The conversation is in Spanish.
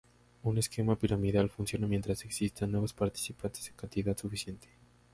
Un esquema piramidal funciona mientras existan nuevos participantes en cantidad suficiente.